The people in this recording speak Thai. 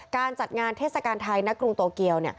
การจัดงานเทศกาลไทยณกรุงโตเกียว